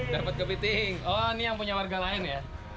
dapat kepiting oh ini yang punya warga lain ya